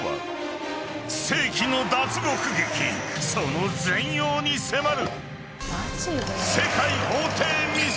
［その全容に迫る］